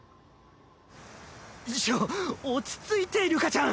ちょっ落ち着いてるかちゃん。